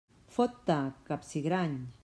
Fot-te, capsigrany!